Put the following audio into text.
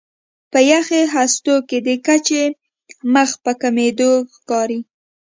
په یخي هستو کې د کچه مخ په کمېدو ښکاري.